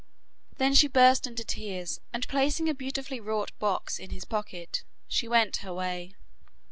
Then she burst into tears, and placing a beautifully wrought box in his pocket she went her way.